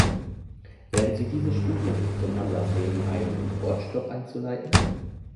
Werden Sie diese Studien zum Anlass nehmen, einen Importstop einzuleiten?